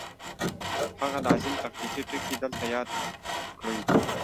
هغه لازم تخنیکي ټکي دلته یاد کړو